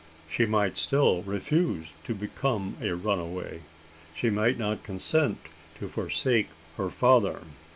She might still refuse to become a runaway? She might not consent to forsake her father?